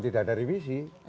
tidak ada revisi